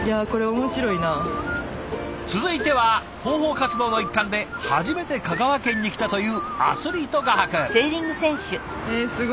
続いては広報活動の一環で初めて香川県に来たというアスリート画伯。